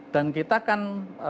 dan kita kan